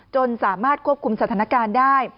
จนสามารถควบคุมสถานการณ์ได้